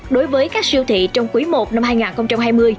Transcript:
đối với các siêu thị trong quý i năm hai nghìn hai mươi